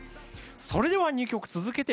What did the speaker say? それでは２曲続けて。